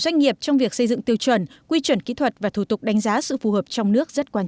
doanh nghiệp cần tận dụng quyền lợi này của mình để tham gia đóng góp ý kiến